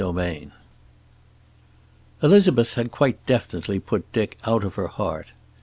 XLII Elizabeth had quite definitely put Dick out of her heart.